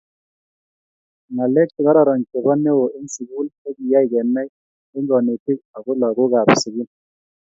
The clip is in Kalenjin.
Ngalek chegororon chebo neo eng sugul kogiyay kenai eng konetiik ago lagook kab sugul